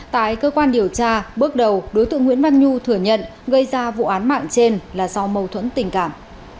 tại cơ quan điều tra bước đầu đối tượng nguyễn văn nhu thừa nhận gây ra vụ án mạng trên là do mâu thuẫn tình cảm